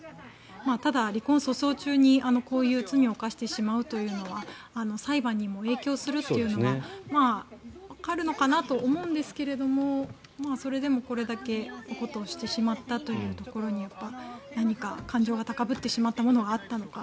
ただ、離婚訴訟中にこういう罪を犯してしまうというのは裁判にも影響するというのはわかるのかなと思うんですがそれでもこれだけのことをしてしまったというところに何か感情が高ぶってしまったものがあったのか。